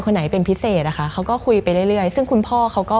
ไหนเป็นพิเศษอะค่ะเขาก็คุยไปเรื่อยเรื่อยซึ่งคุณพ่อเขาก็